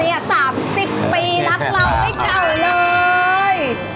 ๓๐ปีรักเราไม่เก่าเลย